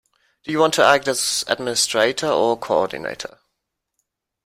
Do you want to act as administrator or coordinator?